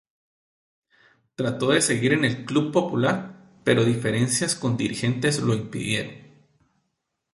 Trató de seguir en el "club popular", pero diferencias con dirigentes lo impidieron.